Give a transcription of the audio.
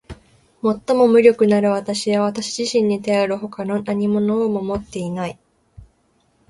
最も無力なる私は私自身にたよる外の何物をも持っていない。